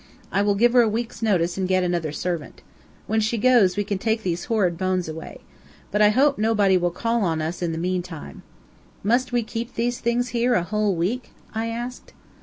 I will give her a week's notice and get another servant. When she goes we can take these horrid bones away. But I hope nobody will call on us in the meantime." "Must we keep these things here a whole week?" I asked.